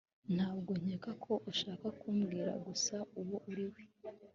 Ntabwo nkeka ko ushaka kumbwira gusa uwo uri we